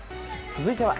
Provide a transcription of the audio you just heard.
続いては。